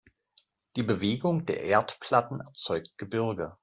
Die Bewegung der Erdplatten erzeugt Gebirge.